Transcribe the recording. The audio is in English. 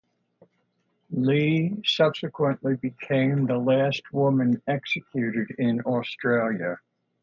Lee subsequently became the last woman executed in Australia.